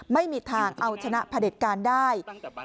ไม่มีทางเอาชนะผลิตการได้